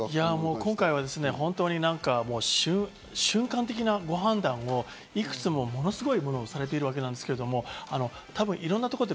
今回は本当に瞬間的なご判断をいくつも、ものすごいものをされてるわけですが、多分いろんなところで、